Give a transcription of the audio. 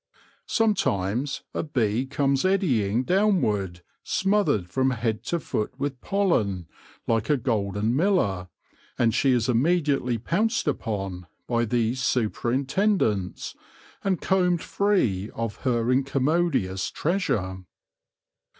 Some times a bee comes eddying downward, smothered from head to foot with pollen, like a golden miller, and she is immediately pounced upon by these super intendents, and combed free of her incommodious treasure.